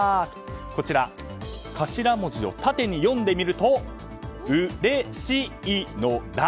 こちら頭文字を縦に読んでみると「うれしいのだ」。